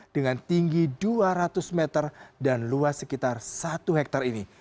dengan tinggi dua ratus meter dan luas sekitar satu hektare ini